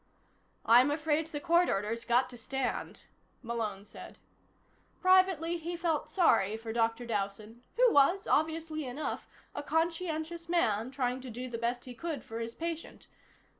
"I'm afraid the court order's got to stand," Malone said. Privately, he felt sorry for Dr. Dowson, who was, obviously enough, a conscientious man trying to do the best he could for his patient.